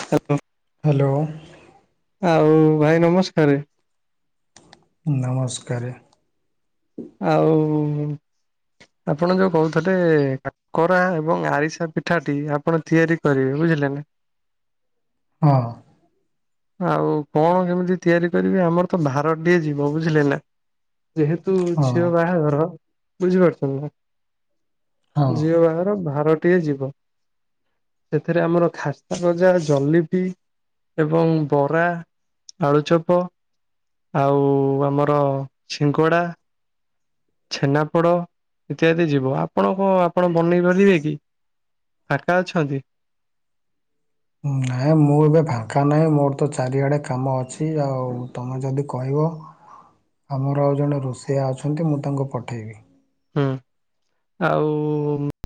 Hello. Hello. ଆଉ ଭାଇ ନମସ୍କାର। ନମସ୍କାର। ଆଉ ଆପଣ ଯୋଉ କହୁଥିଲେ କାକରା ଏବଂ ଆରିସା ପିଠାଟି ଆପଣ ତିଆରି କରିବେ ବୁଝିଲେ ନା? ହଁ। ଆଉ କଣ କେମିତି ତିଆରି କରିବି ଆମର ତ ଭାର ଟିଏ ଯିବ ବୁଝିଲେ ନା? ଯେହେତୁ ହଁ ଝିଅ ବାହାଘର ବୁଝିପାରୁଛନ୍ତି ନା? ହଁ ଝିଅ ବାହାଘର ଭାରଟିଏ ଯିବ। ସେଥିରେ ଆମର ଖାସ୍ତା ଗଜା ଜଲିପି ଏବଂ ବରା, ଆଳୁଚପ୍। ଆଉ ଆମର ଛିଙ୍କଡା। ଛେନାପୋଡ ଇତ୍ୟାଦି ଯିବ ଆପଣ କଣ ଆପଣ ବନେଇ ପାରିବେ କି? କାକା ଅଛନ୍ତି? ନାଇଁ ମୁଁ ଏବେ ଫାଙ୍କା ନାହିଁ ମୋର ତ ଚାରିଆଡେ କାମ ଅଛି ଆଉ ତମେ ଯଦି କହିବ ଆମର ଆଉ ଜଣେ ରୋଷେଇଆ ଅଛନ୍ତି ମୁଁ ତାଙ୍କୁ ପଠେଇବି। ହୁଁ ଆଉ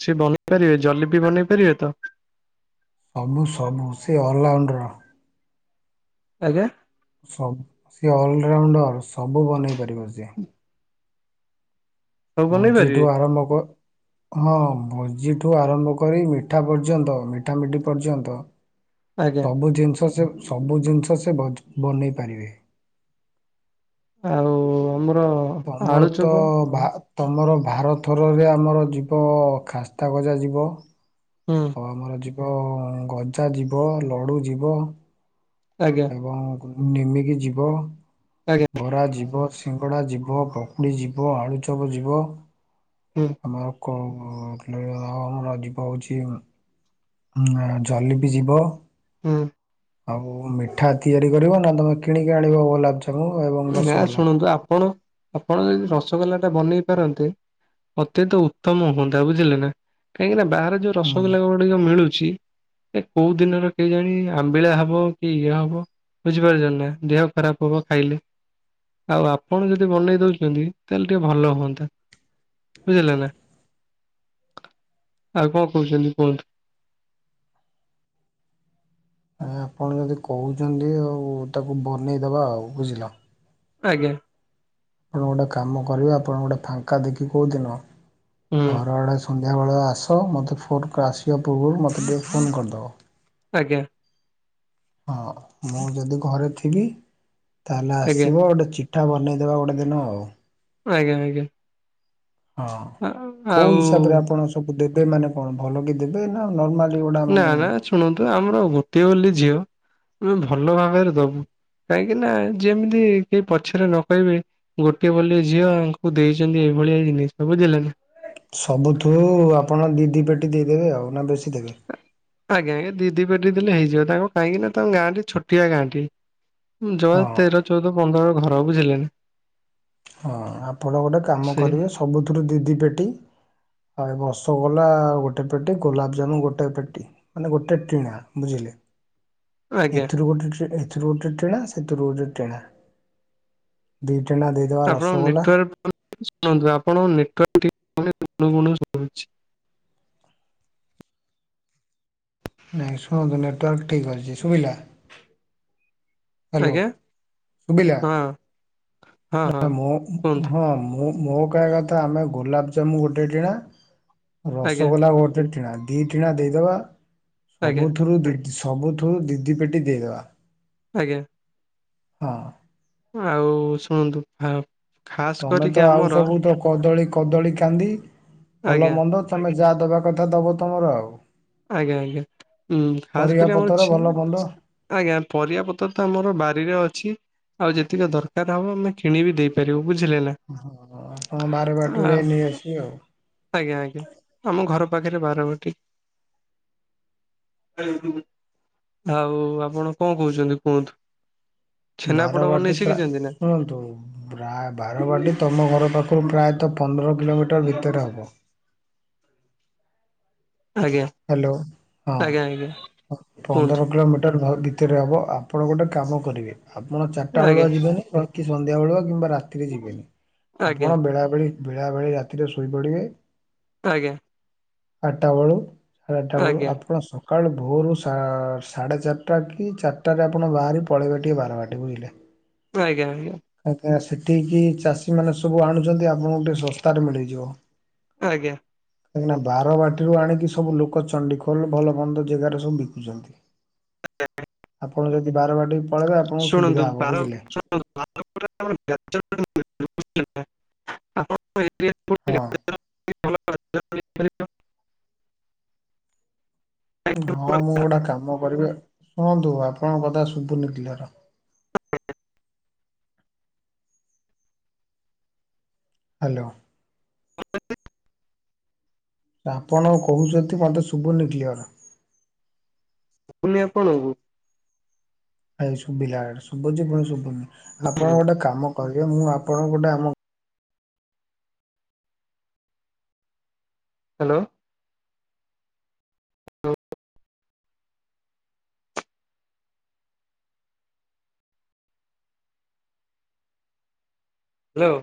ସେ ବନେଇ ପାରିବେ ଜଲେପି ବନେଇ ପାରିବେ ତ? ସବୁ ସବୁ ସେ ଅଲରାଉଣ୍ଡର। ଆଜ୍ଞା? ସବୁ ଅଲରାଉଣ୍ଡର ସବୁ ବନେଇ ପାରିବ ସିଏ। ସବୁ ବନେଇ ଭୋଜିଠୁ ପାରିବେ ଆରମ୍ଭ କ ହଁ ଭୋଜିଠୁ ଆରମ୍ଭ କରି ମିଠା ପର୍ଯ୍ୟନ୍ତ ମିଠା ମିଠି ପର୍ଯ୍ୟନ୍ତ ଆଜ୍ଞା ସବୁ ଜିନିଷ ସେ ସବୁ ଜିନିଷ ସେ ବନ ବନେଇ ପାରିବେ। ଆଉ ଆମର ଆଳୁଚୋପ? ତୁମର ଭାର ଥରରେ ଆମର ଯିବ ଖାସ୍ତା ଗଜା ଯିବ। ହୁଁ ଆଉ ଆମର ଯିବ ଗଜା ଯିବ, ଲଡୁ ଯିବ। ଆଜ୍ଞା ଏବଂ ନିମିକି ଯିବ, ଆଜ୍ଞା ବରା ଯିବ, ସିଙ୍ଗଡା ଯିବ, ପକୁଡି ଯିବ, ଆଳୁଚପ ଯିବ ହୁଁ ଆଉ କଣ ଆଉ ଆମର ଜୀବ ହଉଛି ଜଲିପି ଯିବ ହୁଁ। ଆଉ ମିଠା ତିଆରି କରିବ ନା ତମେ କିଣିକି ଆଣିବ ଗୋଲାପଯାମୁ? ନା ଶୁଣନ୍ତୁ ଆପଣ ଆପଣ ଯଦି ରସଗୋଲା ଟା ବନେଇ ପାରନ୍ତେ ଅତ୍ୟତ ଉତ୍ତମ ହୁଅନ୍ତା ବୁଝିଲେ ନା କାହିଁକି ନା ବାହାରେ ଯୋଉ ହୁଁ ରସଗୋଲା ଗୁଡିକ ମିଳୁଛି ଏ କୋଉ ଦିନର କେହି ଜାଣି ଆମ୍ବିଳା ହବ କି ଇଏ ହବ ବୁଝିପାରୁଛ ନା, ଦେହ ଖରାପ ହବ ଖାଇଲେ। ଆଉ ଆପଣ ଯଦି ବନେଇ ଦଉଛନ୍ତି, ତାହେଲେ ଟିକେ ଭଲ ହୁଅନ୍ତା। ବୁଝିଲେ ନା? ଆଉ କଣ କହୁଛନ୍ତି କୁହନ୍ତୁ? ଆ ଆପଣ ଯଦି କହୁଛନ୍ତି ଆଉ ତାକୁ ବନେଇଦବା ଆଉ ବୁଝିଲ ଆଜ୍ଞା । ଆପଣ ଗୋଟେ କାମ କରିବେ, ଆପଣ ଗୋଟେ ଫାଙ୍କା ଦେଖି କହୁଦିନ, ହୁଁ ଘର ଆଡେ ଆ ସନ୍ଧ୍ୟାବେଳେ ଆସ, ମୋତେ ଫୋନ୍ ଆସିବା ପୂର୍ବରୁ ମୋତେ ଟିକିେ ଫୋନ୍ କରିଦେବ । ଆଜ୍ଞା । ହଁ, ମୁଁ ଯଦି ଘରେ ଥିବି, ତାହେଲେ ଆଜ୍ଞା ଆସିବ ଗୋଟେ ଚି ମିିଠା ବନେଇଦେବା ଗୋଟେ ଦିନ ଆଉ ଆଜ୍ଞା ଆଜ୍ଞା । ହଁ କୋଉ ହିସାବ ରେ ଆପଣ ସବୁ ଦେବେ, ମାନେ- କଣ ଭଲ କି ଦେବେ ନା ନର୍ମାଲି ଗୋଟା ନା ମାନେ ନା ଶୁଣନ୍ତୁ ଆମର ଗୋଟିଏ ବୋଲି ଝିଅ, ଆମେ ଭଲ ଭାବରେ ଦବୁ । କାହିଁକି ନା? ଯେମିତି କେହି ପଛରେ ନ କହିବେ, ଗୋଟିଏ ବୋଲି ଝିଅଙ୍କୁ ଦେଇଛନ୍ତି ଏ ଏ ଭଳିଆ ଜିନିଷ ବୁଝିଲେନା। ସବୁଠୁ ଆପଣ ଦି ଦି ପେଟି ଦେଇଦେବେ ଆଉ, ନା ବେଶୀ ଦେବେ? ଆଜ୍ଞା ଆଜ୍ଞା, ଦି ଦି ପେଟି ଦେଲେ ହେଇଯିବ, ତାଙ୍କ କାହିଁକି ନା? ତାଙ୍କ ଗାଁଟି ଛୋଟିଆ ଗାଁଟି । ଜ ହଁ ତେର ଚଉଦ ପନ୍ଦର ଘର ବୁଝିଲେନା। ହଁ, ଆପଣ ଗୋଟେ କାମ କରିବେ, ସବୁଥିରୁ ଦି ଦି ପେଟି ଆଉ ବର୍ଷ କୋଲା ଗୋଟେ ପେଟି, ଗୋଲାପଜାମୁ ଗୋଟେ ପେଟି, ମାନେ ଗୋଟେ ଟିଣା ବୁଝିଲେ। ଆଜ୍ଞା ଏଥୁରୁ ଗୋଟେ ଏଥିରୁ ଗୋଟେ ଟେଣା, ସେଥିରୁ ଗୋଟେ ଟେଣା । ଆପଣ ନେଟୱର, ଶୁଣନ୍ତୁ ଆପଣଙ୍କ ଗୁଣୁ ଗୁଣୁ ଶୁଭୁଚି । ନାଇଁ ଶୁଣନ୍ତୁ, ନେଟୱାର୍କ ଠିକ ଅଛି, ଶୁବିିଲା ହାଲୋ ଆଜ୍ଞା ଶୁବିଲା? ହଁ ହଁ ହଁ ନା ମୁଁ, କୁହନ୍ତୁ। ହଁ ମୁଁ ମୋ କହିବା କଥା ଆମେ ଗୋଲାପଜାମୁ ଗୋଟେ ଟିଣା, ଆଜ୍ଞା ରସଗୋଲା ଗୋଟେ ଟିଣା ଦିଟିଣା ଦେଇଦବା, ଆଜ୍ଞା ସବୁଥିରୁ, ସବୁଥିରୁ ଦି ଦିଇ ପେଟି ଦେଇଦବା । ଆଜ୍ଞା । ହଁ। ଆଉ ଶୁଣନ୍ତୁ, ହ ତମେ ତ ଆଉ ସବୁ ତ, କଦଳୀ କଦଳୀ କାନ୍ଦି, ଭଲ ଆଜ୍ଞା ମନ୍ଦ, ତମେ ଯାହା ଦବା କଥା ଦବ ତମର ଆଉ ଆଜ୍ଞା ଆଜ୍ଞା, ଉୁଁ ଖାସ ପରିବା କରି ଆମର ପତ୍ର ଭଲ ମନ୍ଦ ଆଜ୍ଞା, ପରିବାପତ୍ର ତ ଆମର ବାରିରେ ଅଛି । ଛି, ଆଉ ଯେତିକି ଦରକାର ହବ ଆମେ କିଣିବି ଦେଇପାରିବୁ । ହଁ, ଆପଣ ବାରବାଟିରୁ ଆଉ ଯାଇ ନେଇ ଆସିବେ ଆଉ ଆଜ୍ଞା ଆଜ୍ଞା, ଆମ ଘର ପାଖରେ ବାରବାଟୀ । ଆଉ ଆପଣ କଣ କହୁଛନ୍ତି କୁହନ୍ତୁ? ଛେନାପୋଡ ବନେଇ ବାରବାଟୀ ପ୍ରାୟ, ଶିଖିଛନ୍ତି ନା ଶୁଣନ୍ତୁ ବାରବାଟୀ ତମ ଘର ପାଖରୁ ପ୍ରାୟତଃ ପନ୍ଦର କିଲୋମିଟର ଭିତରେ ହେବ । ଆଜ୍ଞା ହାଲୋ, ଆଜ୍ଞା ଆଜ୍ଞା ହଁ, କୁହନ୍ତୁ ପନ୍ଦର କିଲୋମିଟର ଭ ଭିତରେ ହବ, ଆପଣ ଗୋଟେ କାମ କରିବେ। ଆପଣ ଚାରିଟା ଆଜ୍ଞା ବେଳୁଆ ଯିବେନି, ସନ୍ଧ୍ୟା ବେଳା କିମ୍ବା ରାତିରେ ଯିବେନି, ଆଜ୍ଞା। ଆପଣ ବେଳାବେଳି ରାତିରେ ଶୋଇ ପଡ଼ିବେ । ଆଜ୍ଞା । ଆଠଟା ବେଳୁ, ସାଢେ ଆଟା ବେଳୁ, ଆଜ୍ଞା ଆପଣ ସକାଳୁ ଭୋରୁ ସାଢ଼େ ଚାରିଟା କି ଚାରିଟାରେ ଆପଣ ବାହାରି ପଳେଇବେ ଟିକେ ବାରବାଟୀ ବୁଝିଲେ । ଆଜ୍ଞା ଆଜ୍ଞା । ସେଠିକି ଚାଷୀ ମାନେ ସବୁ ଆଣୁଛନ୍ତି ଆଉ ଆପଣଙ୍କୁ ଟିକେ ଶସ୍ତାରେ ମିଳିଯିବ ଆଜ୍ଞା କହି ବାରବାଟୀରୁ ଆଣିକି ସବୁ ଲୋକ ଙ୍କ ଚଣ୍ଡିଖୋଲ ଭଲବନ୍ଦ ଜାଗାରେ ସବୁ ବିକୁଛନ୍ତି। ଆପଣ ଯଦି ବାରବାଟୀ ପଳେଇବେ ଆପଣଙ୍କୁ ସୁବିଧା ଶୁଣନ୍ତୁ ହବ ବାର ବୁଝିଲେ [unintelligible] ଆପଣଙ୍କ ହଁ [unintelligible] [unintelligible] ହଁ ମୁଁ ଗୋଟେ କାମ କରିବି ଶୁଣନ୍ତୁ ଆପଣଙ୍କ କଥା ଶୁଭୁନି କ୍ଲିୟର୍। [unintelligible] ହ୍ୟାଲୋ। ହ [unintelligible] ଆପଣ କହୁଛନ୍ତି ମତେ ଶୁଭୁନି କ୍ଲିଅର ‌। ଶୁଭୁନି ଆପଣଙ୍କୁ ଏଇ ଶୁଭିଲା ଶୁଭୁଛି ପୁଣି ଶୁଭୁନି ଆପଣ ଗୋଟେ କାମ କରିବେ ମୁଁ ଆପଣ ଗୋଟେ ଆମ ହ୍ୟାଲୋ। ହ୍ୟାଲୋ।